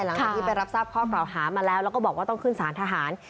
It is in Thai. หลังจากที่ไปรับทราบข้อกล่าวหามาแล้วแล้วก็บอกว่าต้องขึ้นสารทหาร